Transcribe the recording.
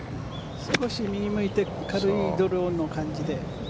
少し右向いて軽いドローの感じで。